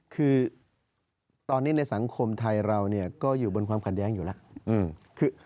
คือตอนนี้ในสังคมไทยเราก็อยู่บนความขัดแย้งอยู่แล้ว